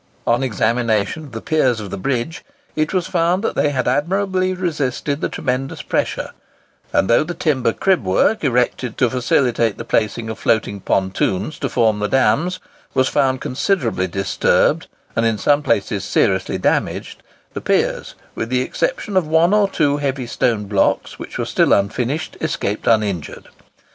On examination of the piers of the bridge, it was found that they had admirably resisted the tremendous pressure; and though the timber "cribwork" erected to facilitate the placing of floating pontoons to form the dams, was found considerably disturbed and in some places seriously damaged, the piers, with the exception of one or two heavy stone blocks, which were still unfinished, escaped uninjured.